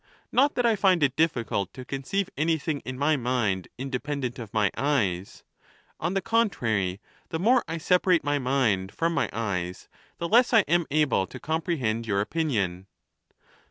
Not that I find it difficult to conceive anything in my mind independent of my eyes ; on the contrary, the more I separate my raind from my eyes, the less I am able to comprehend your opinion.